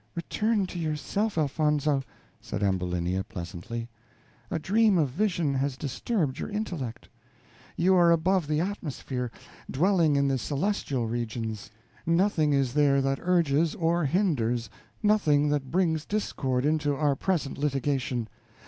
"Return to your self, Elfonzo," said Ambulinia, pleasantly; "a dream of vision has disturbed your intellect; you are above the atmosphere, dwelling in the celestial regions; nothing is there that urges or hinders, nothing that brings discord into our present litigation.